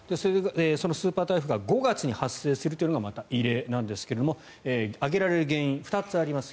そのスーパー台風が５月に発生するというのがまた異例なんですが挙げられる原因２つあります。